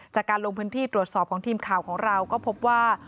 จากการลงพื้นที่ตรวจสอบของทีมข่าวของเราก็พบว่า